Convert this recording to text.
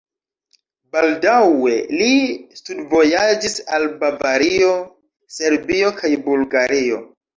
Baldaŭe li studvojaĝis al Bavario, Serbio kaj Bulgario.